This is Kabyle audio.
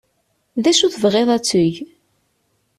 D acu i tebɣiḍ ad teg?